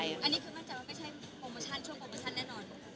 อันนี้คือมั่นใจว่าไม่ใช่โปรโมชั่นช่วงโปรโมชั่นแน่นอน